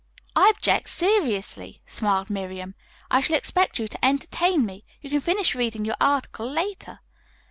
"I object seriously," smiled Miriam. "I shall expect you to entertain me. You can finish reading your article later."